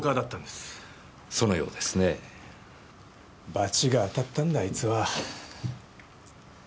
バチが当たったんだあいつは。